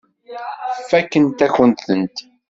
Fakkent-akent-tent.